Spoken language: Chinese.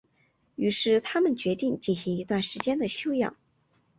于是他们决定进行一段时间的休养。